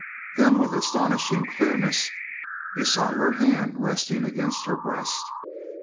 Then with astonishing clearness he saw her hand resting against her breast.